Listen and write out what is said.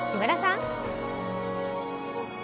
木村さん。